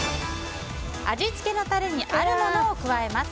味つけのタレにあるものを加えます。